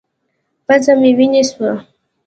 پزه مې وينې سوه.